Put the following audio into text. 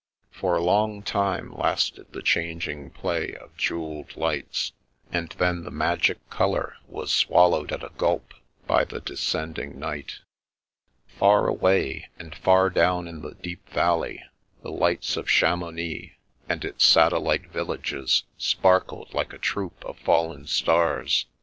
For a long time lasted the changing play of jew elled lights, and then the magic colour was swal lowed at a gulp by the descending night. Far away, and far down in the deep valley, the lights of Chamounix and its satellite villages spar kled like a troupe of fallen stars.